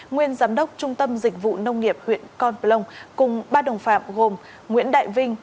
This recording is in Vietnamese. nguyên giám đốc trung tâm dịch vụ nông nghiệp huyện con plông cùng ba đồng phạm gồm nguyễn đại vinh